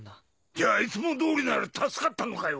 じゃあいつも通りなら助かったのかよ？